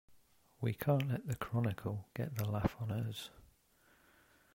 We can't let the Chronicle get the laugh on us!